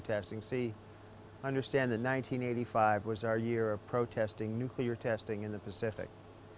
dan kita juga mengembangkan penyelamatan nuklir di pasifik